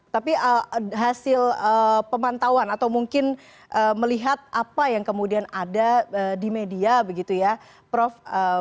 tapi hasil pemantauan atau mungkin melihat apa yang kemudian ada di media begitu ya prof